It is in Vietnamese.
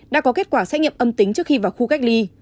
đã có kết quả xét nghiệm âm tính trước khi vào khu cách ly